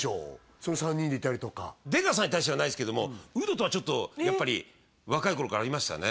その３人でいたりとか出川さんに対してはないですけどもやっぱり若い頃からありましたね